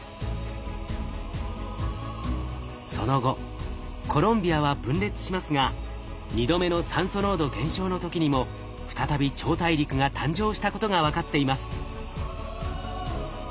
その後コロンビアは分裂しますが２度目の酸素濃度減少の時にも再び超大陸が誕生したことが分かっています。